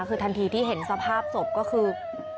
คือทันทีที่เห็นสภาพศพก็คือ